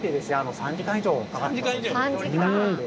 ３時間以上やで。